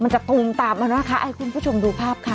จะตูมตามมานะคะให้คุณผู้ชมดูภาพค่ะ